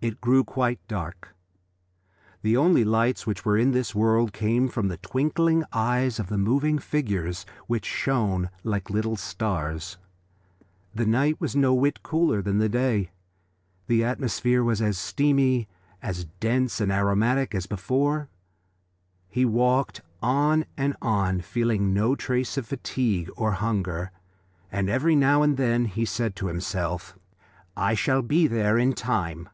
It grew quite dark; the only lights which were in this world came from the twinkling eyes of the moving figures, which shone like little stars. The night was no whit cooler than the day. The atmosphere was as steamy, as dense and as aromatic as before. He walked on and on, feeling no trace of fatigue or hunger, and every now and then he said to himself: "I shall be there in time."